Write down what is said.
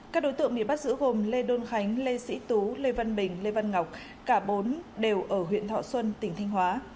các đối tượng bị bắt giữ gồm lê đôn khánh lê sĩ tú lê văn bình lê văn ngọc cả bốn đều ở huyện thọ xuân tỉnh thanh hóa